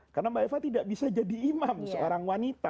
karena mbak eva tidak bisa jadi imam seorang wanita